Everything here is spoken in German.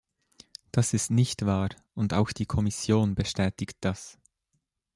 Das ist nicht wahr, und auch die Kommission bestätigt das.